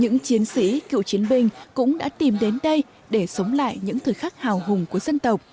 những chiến sĩ cựu chiến binh cũng đã tìm đến đây để sống lại những thời khắc hào hùng của dân tộc